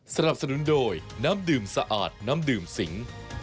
สนับสนุนโดยน้ำดื่มสะอาดน้ำดื่มสิง